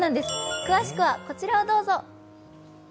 詳しくはこちらをどうぞ。